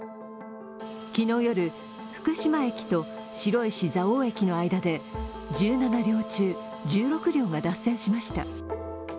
昨日夜、福島駅と白石蔵王駅の間で１７両中、１６両が脱線しました。